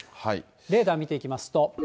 レーダー見ていきますと。